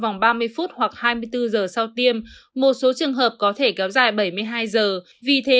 vòng ba mươi phút hoặc hai mươi bốn giờ sau tiêm một số trường hợp có thể kéo dài bảy mươi hai giờ vì thế